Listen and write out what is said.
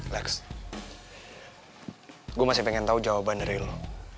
lex gue masih pengen tahu jawaban dari lo